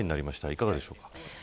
いかがでしょうか。